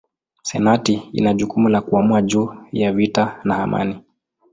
Senati ina jukumu la kuamua juu ya vita na amani.